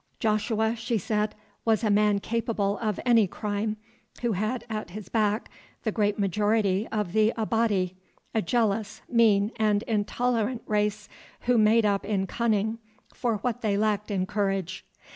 Joshua, she said, was a man capable of any crime, who had at his back the great majority of the Abati; a jealous, mean and intolerant race who made up in cunning for what they lacked in courage.